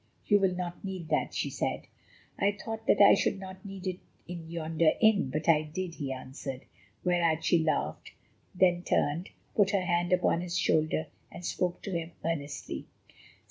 "You will not need that," she said. "I thought that I should not need it in yonder inn, but I did," he answered. Whereat she laughed, then turned, put her hand upon his shoulder and spoke to him earnestly.